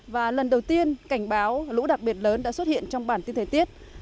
và lần đầu tiên cảnh báo lũ đặc biệt lớn đã xuất hiện trong bản tin thời tiết